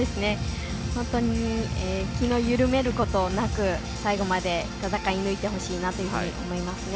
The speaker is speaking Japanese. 本当に気を緩めることなく最後まで戦い抜いてほしいなというふうに思います。